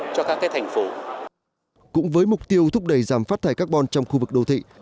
cũng với mục tiêu thúc đẩy giảm phát thải carbon trong khu vực đô thị